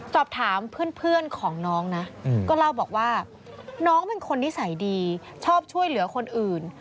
สอบถามเพื่อนของน้องนะก็เล่าบอกว่าน้องเป็นคนนิสัยดีชอบช่วยเหลือคนอื่น